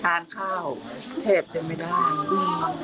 ทานข้าวแทบจนไม่ได้